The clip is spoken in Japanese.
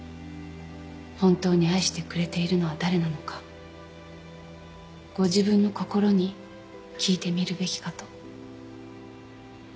本当に愛してくれているのは誰なのかご自分の心に聞いてみるべきかと